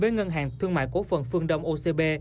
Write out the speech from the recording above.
với ngân hàng thương mại cổ phần phương đông ocb